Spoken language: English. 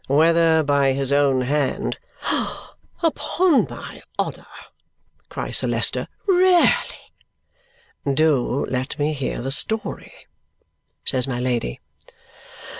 "Whether by his own hand " "Upon my honour!" cries Sir Leicester. "Really!" "Do let me hear the story!" says my Lady.